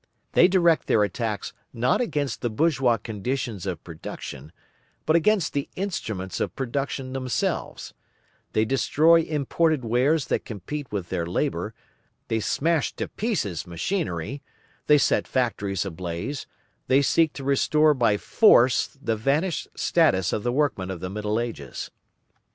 They direct their attacks not against the bourgeois conditions of production, but against the instruments of production themselves; they destroy imported wares that compete with their labour, they smash to pieces machinery, they set factories ablaze, they seek to restore by force the vanished status of the workman of the Middle Ages.